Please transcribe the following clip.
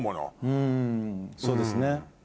うんそうですね。